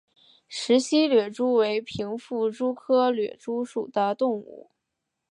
石隙掠蛛为平腹蛛科掠蛛属的动物。